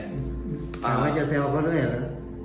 ถามว่าจะเซลล์เขาด้วยหรอ